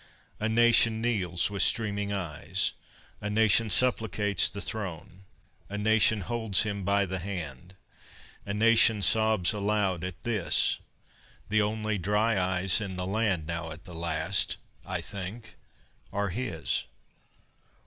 A nation kneels with streaming eyes, A nation supplicates the throne, A nation holds him by the hand, A nation sobs aloud at this: The only dry eyes in the land Now at the last, I think, are his.